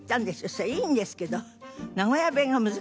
そしたらいいんですけど。